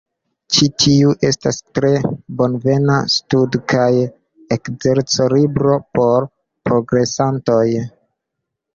Ĉi tiu estas tre bonvena stud- kaj ekzerco-libro por progresantoj.